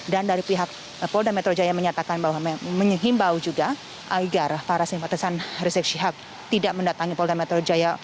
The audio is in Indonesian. dan dari pihak polda metro jaya menyatakan bahwa menyeimbau juga agar para simpatisan rizik syihab tidak mendatangi polda metro jaya